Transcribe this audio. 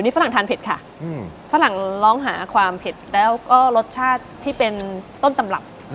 ฝรั่งทานเผ็ดค่ะฝรั่งร้องหาความเผ็ดแล้วก็รสชาติที่เป็นต้นตำรับ